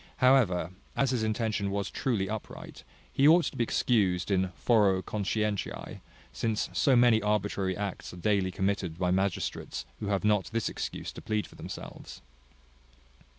However, as his intention was truly upright, he ought to be excused in foro conscientiae; since so many arbitrary acts are daily committed by magistrates who have not this excuse to plead for themselves.